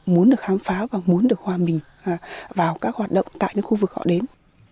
muốn phá và muốn được hòa bình vào các hoạt động tại những khu vực họ đến